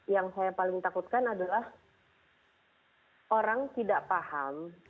yang saya paling takutkan adalah orang tidak paham